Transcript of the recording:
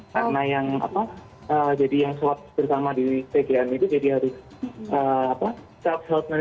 karena yang apa jadi yang swaps bersama di pgn itu jadi harus apa self help management